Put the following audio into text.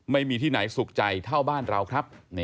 ไม่มีที่ไหนสุขใจเท่าบ้านเราครับ